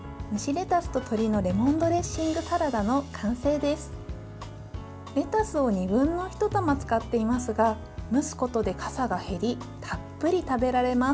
レタスを２分の１玉使っていますが蒸すことでかさが減りたっぷり食べられます。